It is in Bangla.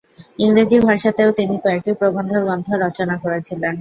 ইংরেজি ভাষাতেও তিনি কয়েকটি প্রবন্ধ গ্রন্থ রচনা করেছিলেন।